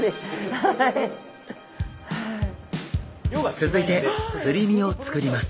続いてすり身を作ります。